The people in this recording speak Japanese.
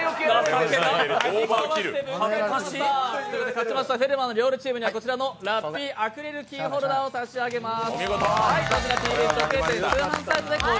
勝ちました「フェルマーの料理」チームにはラッピーアクリルキーホルダーを差し上げます。